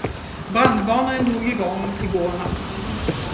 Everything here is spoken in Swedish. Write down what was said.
Brandvarnaren drog igång igår natt.